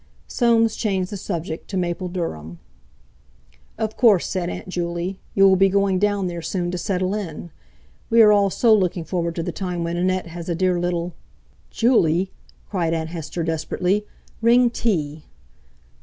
Soames changed the subject to Mapledurham. "Of course," said Aunt Juley, "you will be going down there soon to settle in. We are all so looking forward to the time when Annette has a dear little...." "Juley!" cried Aunt Hester desperately, "ring tea!"